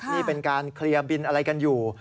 นี่เป็นการเคลียร์บินอะไรกันอยู่